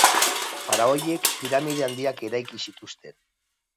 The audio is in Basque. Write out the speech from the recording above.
Faraoiek piramide handiak eraiki zituzten.